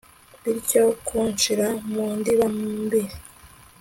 bityo kunshira mu ndiba mbi